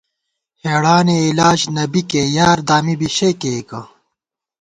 ہېڑانی علاج نہ بِکے یار دامی بی شےکېئیکہ